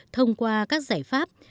thông qua các giải pháp